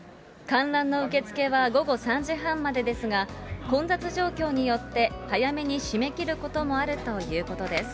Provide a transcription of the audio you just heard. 観覧の受け付けは午後３時半までですが、混雑状況によって、早めに締め切ることもあるということです。